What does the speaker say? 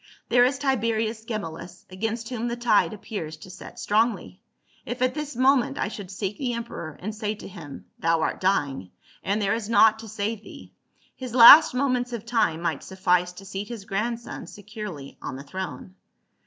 "There is Tiberius Ge mellus, against whom the tide appears to set strongly ; if at this moment I should seek the emperor and say to him, Thou art dying, and there is naught to save thee ; his last moments of time might suffice to seat his grandson securely on the throne.